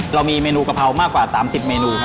เรามีเมนูกะเพรามากกว่า๓๐เมนูครับ